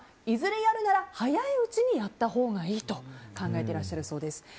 いずれやるなら早いうちにやったほうがいいと考えていらっしゃるそうです。